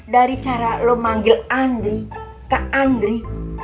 dari cara lo manggil andri ke andri